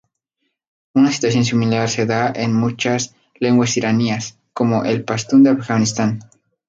Una situación similar se da en muchas lenguas iranias, como el pastún de Afganistán.